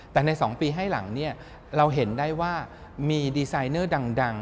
แต่ใน๒ปีให้หลังเนี่ยเราเห็นได้ว่ามีดีไซเนอร์ดัง